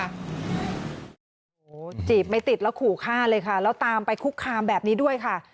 โอ้โหจีบไม่ติดแล้วขู่ฆ่าเลยค่ะแล้วตามไปคุกคามแบบนี้ด้วยค่ะ